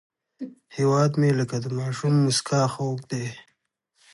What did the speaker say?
هیواد مې لکه د ماشوم موسکا خوږ دی